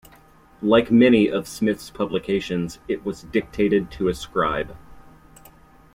Like many of Smith's publications, it was dictated to a scribe.